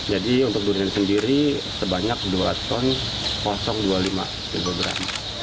jadi untuk durian sendiri sebanyak dua ton dua puluh lima kilogram